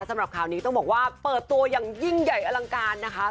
สำหรับข่าวนี้ต้องบอกว่าเปิดตัวอย่างยิ่งใหญ่อลังการนะคะ